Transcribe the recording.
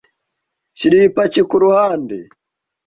Shyira iyi paki kuruhande.